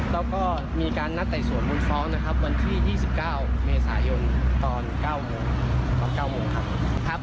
แล้วก็มีการนัดไต่สวนมูลฟ้องนะครับวันที่๒๙เมษายนตอน๙โมงถึง๙โมงครับ